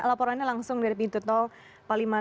laporannya langsung dari pintu tol palimanan